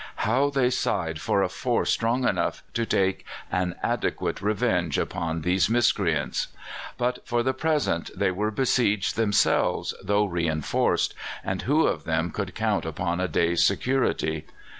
How they sighed for a force strong enough to take an adequate revenge upon these miscreants! But for the present they were besieged themselves, though reinforced; and who of them could count upon a day's security?